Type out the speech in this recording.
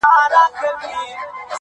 دبدبه د حُسن وه چي وحسي رام سو,